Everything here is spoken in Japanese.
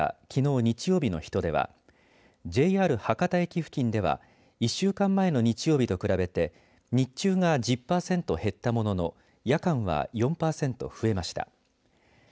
きのう日曜日の人出はＪＲ博多駅付近では１週間前の日曜日と比べて日中が１０％減ったものの夜間は４％増えました。